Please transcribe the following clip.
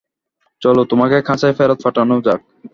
চলো তোমাকে খাঁচায় ফেরত পাঠানো যাক।